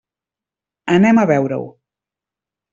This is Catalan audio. Anem a veure-ho.